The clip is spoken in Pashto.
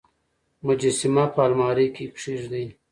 مجسمه په المارۍ کې کېږدئ.